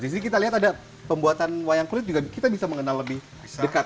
di sini kita lihat ada pembuatan wayang kulit juga kita bisa mengenal lebih dekat